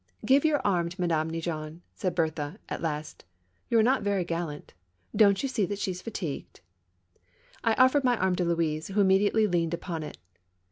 " Give your arm to Madame Neigeon," said Berthe, at last. "You're not very gallant! Don't you see that she's fatigued?" I ofiered my arm to Louise, who immediately leaned upon it.